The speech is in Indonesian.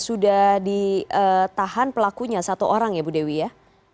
sudah ditahan pelakunya satu orang ya bu dewi ya